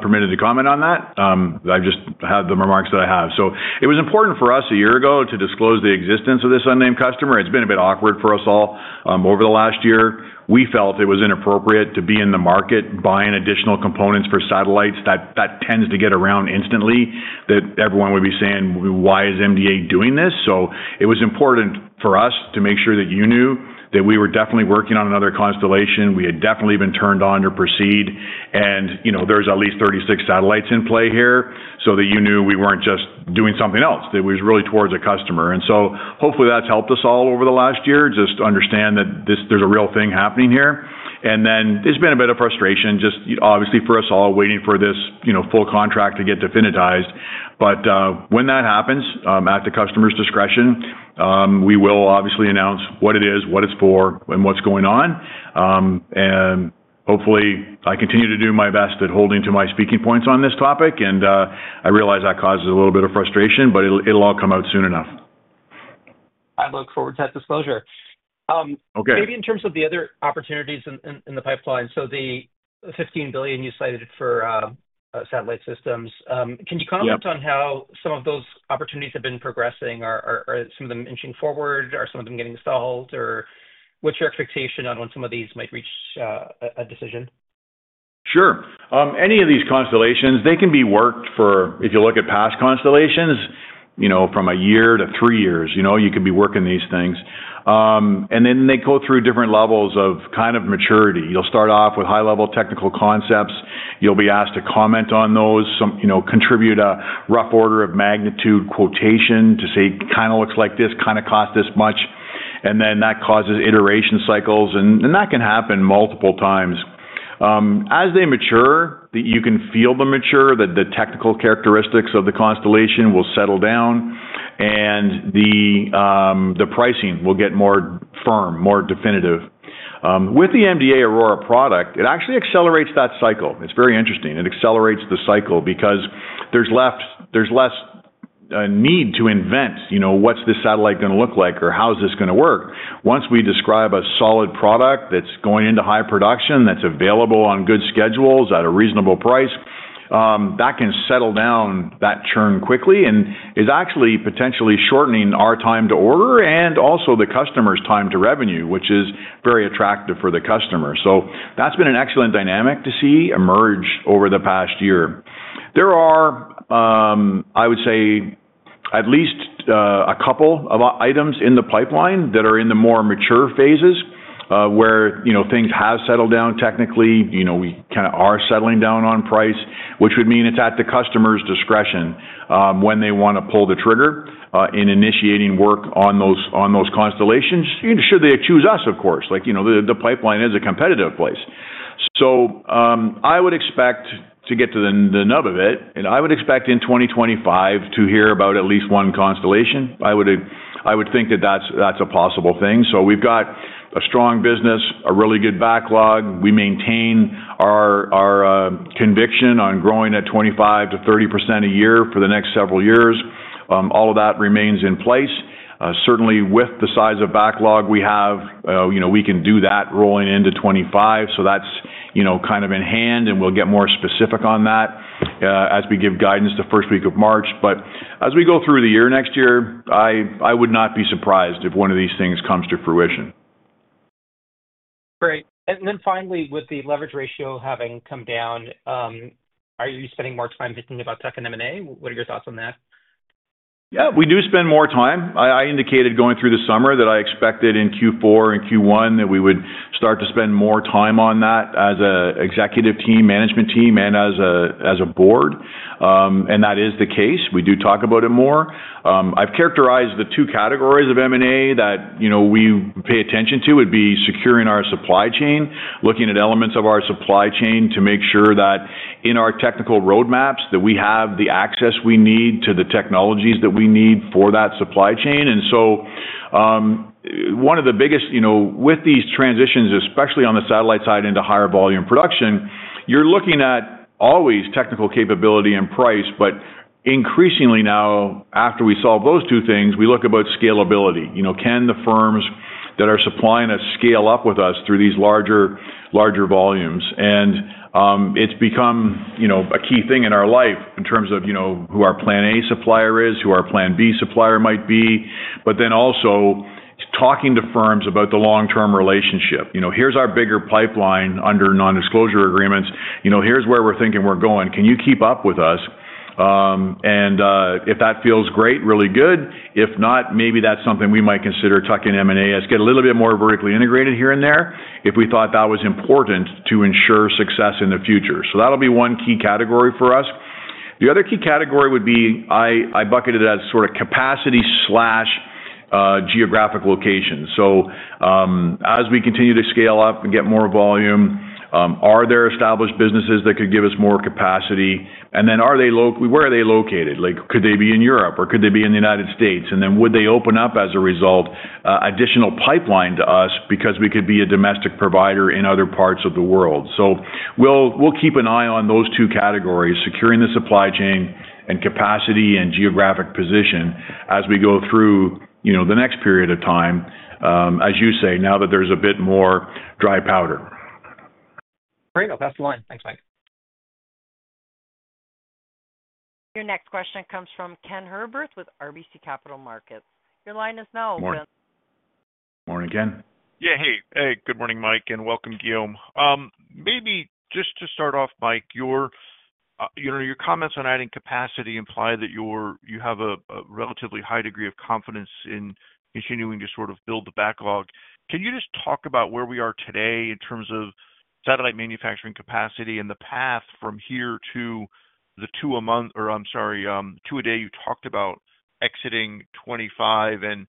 permitted to comment on that. I just have the remarks that I have. So it was important for us a year ago to disclose the existence of this unnamed customer. It's been a bit awkward for us all over the last year. We felt it was inappropriate to be in the market buying additional components for satellites. That tends to get around instantly that everyone would be saying, "Why is MDA doing this?" So it was important for us to make sure that you knew that we were definitely working on another constellation. We had definitely been turned on to proceed. And there's at least 36 satellites in play here so that you knew we weren't just doing something else. It was really towards a customer. And so hopefully that's helped us all over the last year just to understand that there's a real thing happening here. And then there's been a bit of frustration just obviously for us all waiting for this full contract to get definitized. But when that happens, at the customer's discretion, we will obviously announce what it is, what it's for, and what's going on. And hopefully, I continue to do my best at holding to my speaking points on this topic. And I realize that causes a little bit of frustration, but it'll all come out soon enough. I look forward to that disclosure. Maybe in terms of the other opportunities in the pipeline. So the 15 billion you cited for satellite systems, can you comment on how some of those opportunities have been progressing? Are some of them inching forward? Are some of them getting stalled? Or what's your expectation on when some of these might reach a decision? Sure. Any of these constellations, they can be worked for if you look at past constellations from a year to three years. You can be working these things, and then they go through different levels of kind of maturity. You'll start off with high-level technical concepts. You'll be asked to comment on those, contribute a rough order of magnitude quotation to say, "Kind of looks like this, kind of costs this much," and then that causes iteration cycles, and that can happen multiple times. As they mature, you can feel them mature, that the technical characteristics of the constellation will settle down, and the pricing will get more firm, more definitive. With the MDA AURORA product, it actually accelerates that cycle. It's very interesting. It accelerates the cycle because there's less need to invent what's this satellite going to look like or how is this going to work. Once we describe a solid product that's going into high production, that's available on good schedules at a reasonable price, that can settle down that churn quickly and is actually potentially shortening our time to order and also the customer's time to revenue, which is very attractive for the customer. So that's been an excellent dynamic to see emerge over the past year. There are, I would say, at least a couple of items in the pipeline that are in the more mature phases where things have settled down technically. We kind of are settling down on price, which would mean it's at the customer's discretion when they want to pull the trigger in initiating work on those constellations. Should they choose us, of course. The pipeline is a competitive place. So I would expect to get to the nub of it. And I would expect in 2025 to hear about at least one constellation. I would think that that's a possible thing. So we've got a strong business, a really good backlog. We maintain our conviction on growing at 25%-30% a year for the next several years. All of that remains in place. Certainly, with the size of backlog we have, we can do that rolling into 25. So that's kind of in hand, and we'll get more specific on that as we give guidance the first week of March. But as we go through the year next year, I would not be surprised if one of these things comes to fruition. Great. And then finally, with the leverage ratio having come down, are you spending more time thinking about tech and M&A? What are your thoughts on that? Yeah. We do spend more time. I indicated going through the summer that I expected in Q4 and Q1 that we would start to spend more time on that as an executive team, management team, and as a board. And that is the case. We do talk about it more. I've characterized the two categories of M&A that we pay attention to would be securing our supply chain, looking at elements of our supply chain to make sure that in our technical roadmaps that we have the access we need to the technologies that we need for that supply chain. And so one of the biggest with these transitions, especially on the satellite side into higher volume production, you're looking at always technical capability and price. But increasingly now, after we solve those two things, we look about scalability. Can the firms that are supplying us scale up with us through these larger volumes? And it's become a key thing in our life in terms of who our plan A supplier is, who our plan B supplier might be. But then also talking to firms about the long-term relationship. Here's our bigger pipeline under non-disclosure agreements. Here's where we're thinking we're going. Can you keep up with us? And if that feels great, really good. If not, maybe that's something we might consider tucking in M&A to get a little bit more vertically integrated here and there if we thought that was important to ensure success in the future. So that'll be one key category for us. The other key category would be. I bucketed as sort of capacity/geographic location. So as we continue to scale up and get more volume, are there established businesses that could give us more capacity? And then where are they located? Could they be in Europe or could they be in the United States? And then would they open up as a result additional pipeline to us because we could be a domestic provider in other parts of the world? So we'll keep an eye on those two categories, securing the supply chain and capacity and geographic position as we go through the next period of time, as you say, now that there's a bit more dry powder. Great. I'll pass the line. Thanks, Mike. Your next question comes from Ken Herbert with RBC Capital Markets. Your line is now open. Morning. Morning, Ken. Yeah. Hey. Hey. Good morning, Mike. And welcome, Guillaume. Maybe just to start off, Mike, your comments on adding capacity imply that you have a relatively high degree of confidence in continuing to sort of build the backlog. Can you just talk about where we are today in terms of satellite manufacturing capacity and the path from here to the two a month or, I'm sorry, two a day you talked about exiting 2025? And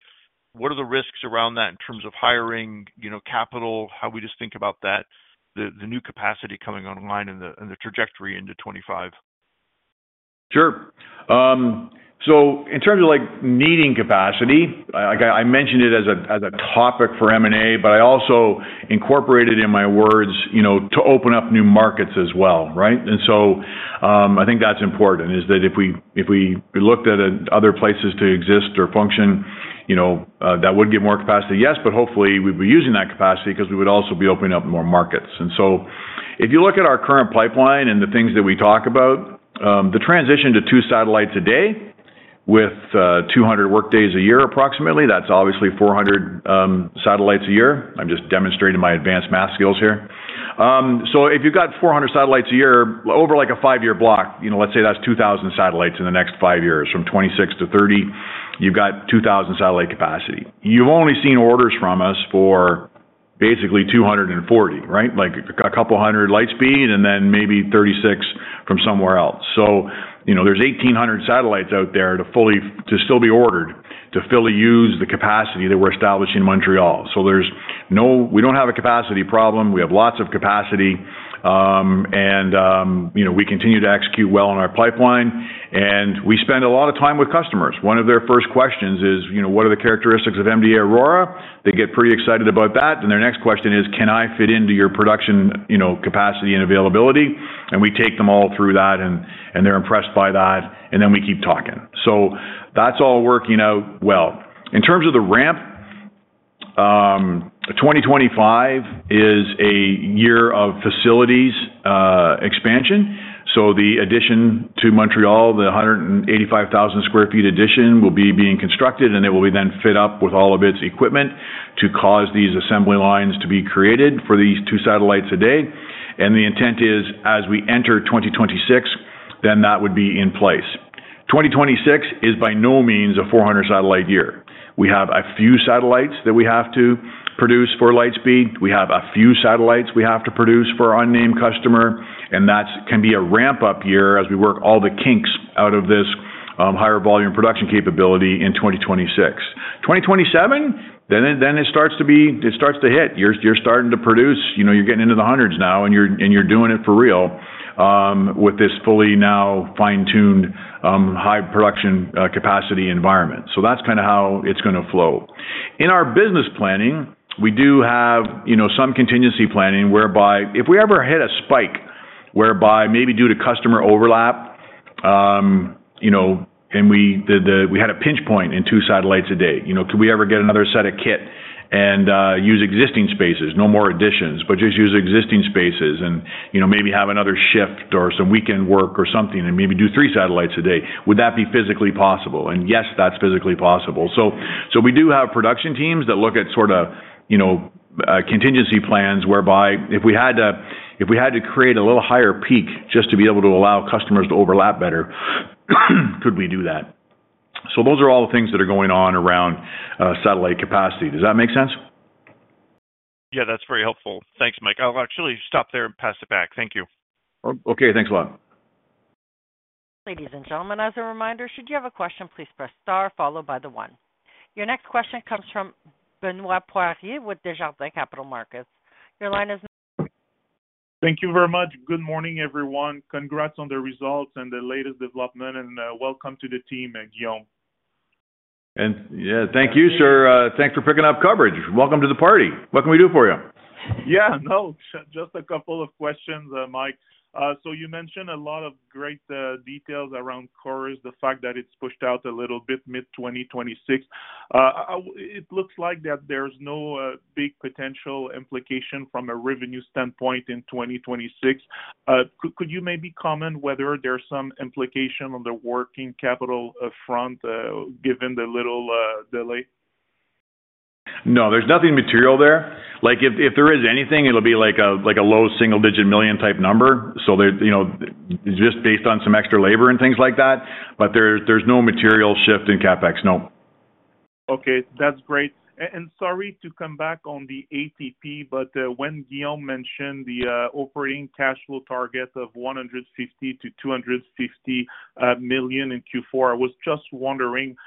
what are the risks around that in terms of hiring capital, how we just think about that, the new capacity coming online and the trajectory into 2025? Sure. So in terms of needing capacity, I mentioned it as a topic for M&A, but I also incorporated in my words to open up new markets as well, right? And so I think that's important is that if we looked at other places to exist or function, that would give more capacity, yes. But hopefully, we'd be using that capacity because we would also be opening up more markets. And so if you look at our current pipeline and the things that we talk about, the transition to two satellites a day with 200 workdays a year approximately, that's obviously 400 satellites a year. I'm just demonstrating my advanced math skills here. So if you've got 400 satellites a year over like a five-year block, let's say that's 2,000 satellites in the next five years from 2026 to 2030, you've got 2,000 satellite capacity. You've only seen orders from us for basically 240, right? A couple hundred Lightspeed and then maybe 36 from somewhere else. So there's 1,800 satellites out there to still be ordered to fill the capacity that we're establishing in Montreal. So we don't have a capacity problem. We have lots of capacity. And we continue to execute well on our pipeline. And we spend a lot of time with customers. One of their first questions is, "What are the characteristics of MDA Aurora?" They get pretty excited about that. And their next question is, "Can I fit into your production capacity and availability?" And we take them all through that, and they're impressed by that. And then we keep talking. So that's all working out well. In terms of the ramp, 2025 is a year of facilities expansion. So the addition to Montreal, the 185,000 sq ft addition will be being constructed, and it will be then fit up with all of its equipment to cause these assembly lines to be created for these two satellites a day. And the intent is, as we enter 2026, then that would be in place. 2026 is by no means a 400-satellite year. We have a few satellites that we have to produce for Lightspeed. We have a few satellites we have to produce for our unnamed customer. That can be a ramp-up year as we work all the kinks out of this higher volume production capability in 2026. 2027, then it starts to hit. You're starting to produce. You're getting into the hundreds now, and you're doing it for real with this fully now fine-tuned high production capacity environment. That's kind of how it's going to flow. In our business planning, we do have some contingency planning whereby if we ever hit a spike whereby maybe due to customer overlap and we had a pinch point in two satellites a day, could we ever get another set of kit and use existing spaces, no more additions, but just use existing spaces and maybe have another shift or some weekend work or something and maybe do three satellites a day? Would that be physically possible? And yes, that's physically possible. So we do have production teams that look at sort of contingency plans whereby if we had to create a little higher peak just to be able to allow customers to overlap better, could we do that? So those are all the things that are going on around satellite capacity. Does that make sense? Yeah. That's very helpful. Thanks, Mike. I'll actually stop there and pass it back. Thank you. Okay. Thanks a lot. Ladies and gentlemen, as a reminder, should you have a question, please press star followed by the one. Your next question comes from Benoit Poirier with Desjardins Capital Markets. Your line is now. Thank you very much. Good morning, everyone. Congrats on the results and the latest development, and welcome to the team, Guillaume. And yeah, thank you, sir. Thanks for picking up coverage. Welcome to the party. What can we do for you? Yeah. No, just a couple of questions, Mike. So you mentioned a lot of great details around CHORUS, the fact that it's pushed out a little bit mid-2026. It looks like that there's no big potential implication from a revenue standpoint in 2026. Could you maybe comment whether there's some implication on the working capital front given the little delay? No, there's nothing material there. If there is anything, it'll be like a low single-digit million type number. So just based on some extra labor and things like that. But there's no material shift in CapEx, no. Okay. That's great. And sorry to come back on the ATP, but when Guillaume mentioned the operating cash flow target of 150-250 million in Q4, I was just wondering.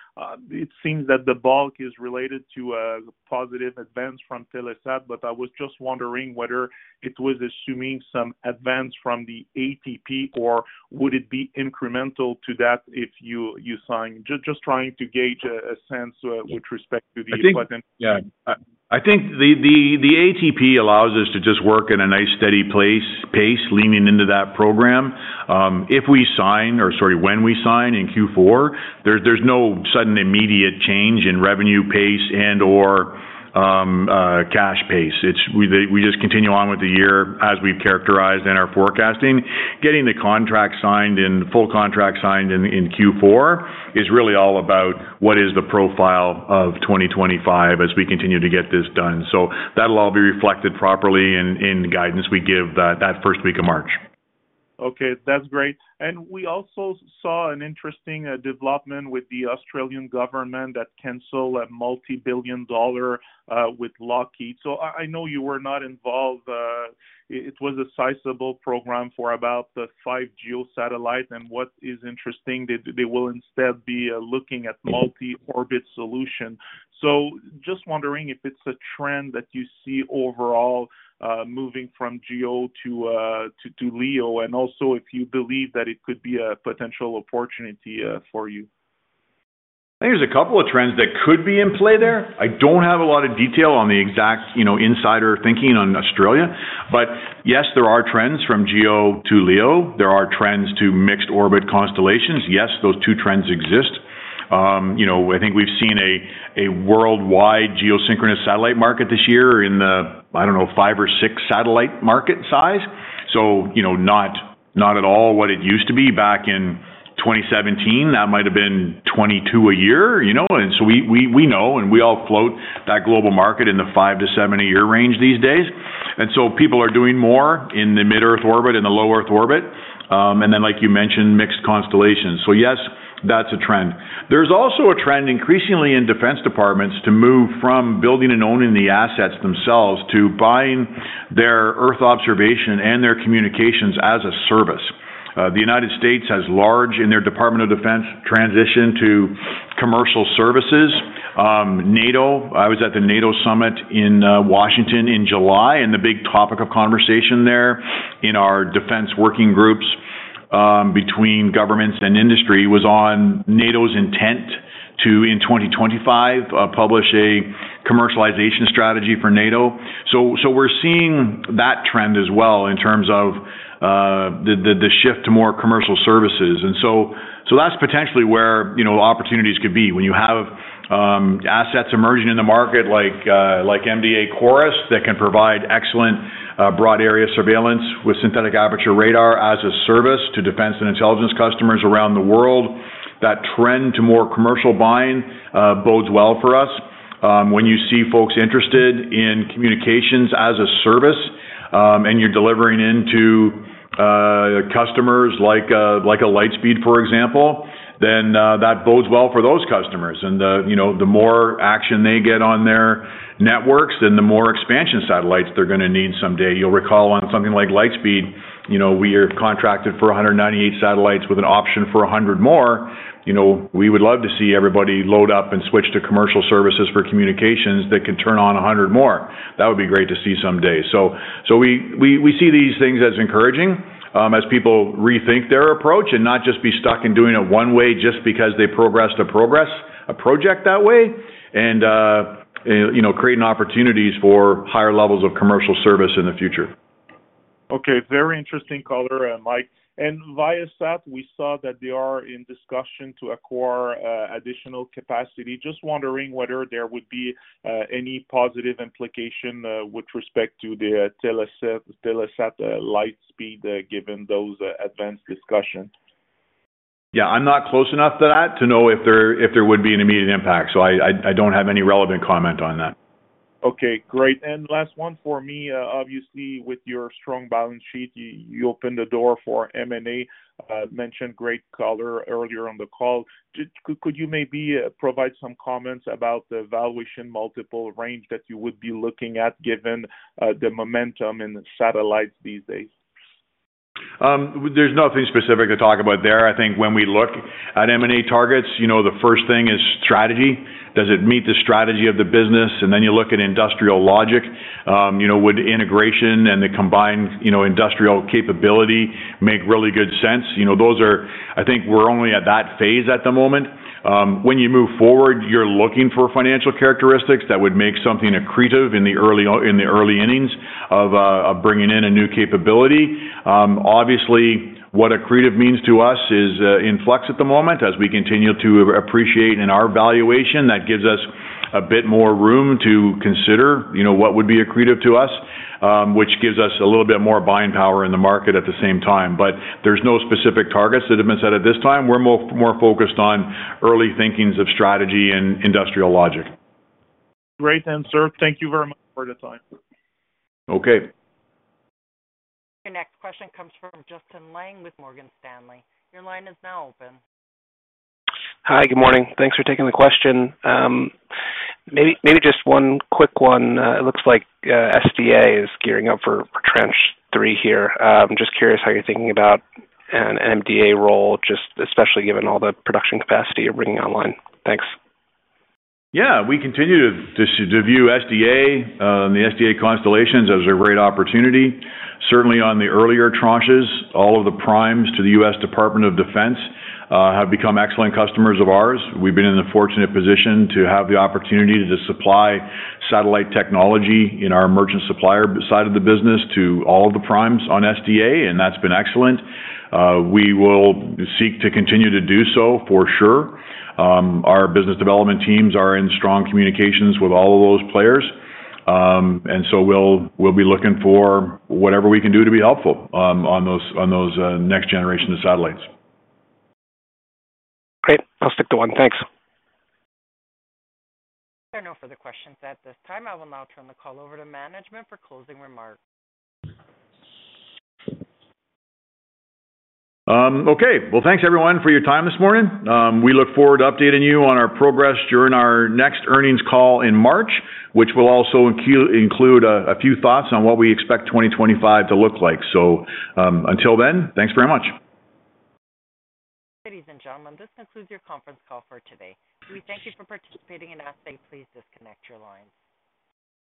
It seems that the bulk is related to a positive advance from Telesat, but I was just wondering whether it was assuming some advance from the ATP or would it be incremental to that if you sign? Just trying to gauge a sense with respect to the equipment. I think the ATP allows us to just work at a nice steady pace leaning into that program. If we sign, or sorry, when we sign in Q4, there's no sudden immediate change in revenue pace and/or cash pace. We just continue on with the year as we've characterized in our forecasting. Getting the contract signed and full contract signed in Q4 is really all about what is the profile of 2025 as we continue to get this done. So that'll all be reflected properly in the guidance we give that first week of March. Okay. That's great. And we also saw an interesting development with the Australian government that canceled a multi-billion-dollar with Lockheed. So I know you were not involved. It was a sizable program for about five GEO satellites. And what is interesting, they will instead be looking at multi-orbit solution. So just wondering if it's a trend that you see overall moving from GEO to LEO, and also if you believe that it could be a potential opportunity for you. I think there's a couple of trends that could be in play there. I don't have a lot of detail on the exact insider thinking on Australia. But yes, there are trends from GEO to LEO. There are trends to mixed orbit constellations. Yes, those two trends exist. I think we've seen a worldwide geosynchronous satellite market this year in the, I don't know, five or six satellite market size. So not at all what it used to be back in 2017. That might have been 22 a year. And so we know, and we all float that global market in the five to seven a year range these days. And so people are doing more in the mid-earth orbit and the low-earth orbit. And then, like you mentioned, mixed constellations. So yes, that's a trend. There's also a trend increasingly in defense departments to move from building and owning the assets themselves to buying their Earth observation and their communications as a service. The United States has largely in their Department of Defense transition to commercial services. I was at the NATO summit in Washington in July, and the big topic of conversation there in our defense working groups between governments and industry was on NATO's intent to, in 2025, publish a commercialization strategy for NATO. So we're seeing that trend as well in terms of the shift to more commercial services. And so that's potentially where opportunities could be. When you have assets emerging in the market like MDA CHORUS that can provide excellent broad area surveillance with Synthetic Aperture Radar as a service to defense and intelligence customers around the world, that trend to more commercial buying bodes well for us. When you see folks interested in communications as a service and you're delivering into customers like a Lightspeed, for example, then that bodes well for those customers. And the more action they get on their networks, then the more expansion satellites they're going to need someday. You'll recall on something like Lightspeed, we are contracted for 198 satellites with an option for 100 more. We would love to see everybody load up and switch to commercial services for communications that can turn on 100 more. That would be great to see someday. So we see these things as encouraging as people rethink their approach and not just be stuck in doing it one way just because they progressed a project that way and create opportunities for higher levels of commercial service in the future. Okay. Very interesting color, Mike. Viasat, we saw that they are in discussion to acquire additional capacity. Just wondering whether there would be any positive implication with respect to the Telesat Lightspeed given those advanced discussions. Yeah. I'm not close enough to that to know if there would be an immediate impact. So I don't have any relevant comment on that. Okay. Great. And last one for me, obviously, with your strong balance sheet, you opened the door for M&A. Mentioned great color earlier on the call. Could you maybe provide some comments about the valuation multiple range that you would be looking at given the momentum in satellites these days? There's nothing specific to talk about there. I think when we look at M&A targets, the first thing is strategy. Does it meet the strategy of the business? And then you look at industrial logic. Would integration and the combined industrial capability make really good sense? I think we're only at that phase at the moment. When you move forward, you're looking for financial characteristics that would make something accretive in the early innings of bringing in a new capability. Obviously, what accretive means to us is in flux at the moment as we continue to appreciate in our valuation. That gives us a bit more room to consider what would be accretive to us, which gives us a little bit more buying power in the market at the same time. But there's no specific targets that have been set at this time. We're more focused on early thinkings of strategy and industrial logic. Great. And, sir, thank you very much for the time. Okay. Your next question comes from Justin Long with Morgan Stanley. Your line is now open. Hi. Good morning. Thanks for taking the question. Maybe just one quick one. It looks like SDA is gearing up for Tranche 3 here. I'm just curious how you're thinking about an MDA role, just especially given all the production capacity you're bringing online. Thanks. Yeah. We continue to view SDA and the SDA constellations as a great opportunity. Certainly, on the earlier tranches, all of the primes to the U.S. Department of Defense have become excellent customers of ours. We've been in the fortunate position to have the opportunity to supply satellite technology in our merchant supplier side of the business to all of the primes on SDA, and that's been excellent. We will seek to continue to do so for sure. Our business development teams are in strong communications with all of those players. And so we'll be looking for whatever we can do to be helpful on those next generation of satellites. Great. I'll stick to one. Thanks. There are no further questions at this time. I will now turn the call over to management for closing remarks. Okay. Well, thanks, everyone, for your time this morning. We look forward to updating you on our progress during our next earnings call in March, which will also include a few thoughts on what we expect 2025 to look like. So until then, thanks very much. Ladies and gentlemen, this concludes your conference call for today. We thank you for participating and ask that you please disconnect your lines.